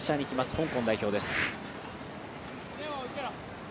香港代表です。